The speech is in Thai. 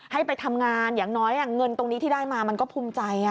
ให้ไปทำงานอย่างน้อยเงินตรงนี้ที่ได้มามันก็ภูมิใจ